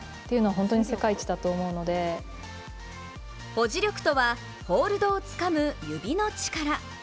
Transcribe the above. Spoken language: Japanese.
保持力とはホールドをつかむ指の力。